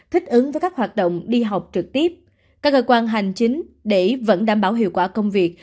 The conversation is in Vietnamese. thích ứng với các hoạt động đi học trực tiếp các cơ quan hành chính để vẫn đảm bảo hiệu quả công việc